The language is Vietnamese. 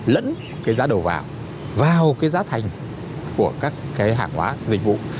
lẫn cái giá đầu vào cái giá thành của các cái hàng hóa dịch vụ